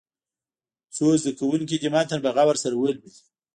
څو زده کوونکي دې متن په غور سره ولولي.